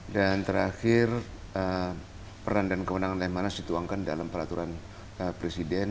dan terakhir peran dan kewenangan lemhanas dituangkan dalam peraturan presiden